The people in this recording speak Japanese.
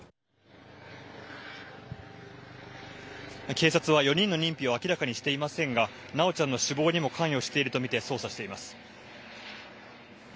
警察は、４人の認否を明らかにしていませんが修ちゃんの死亡にも関与しているとみて捜査しています。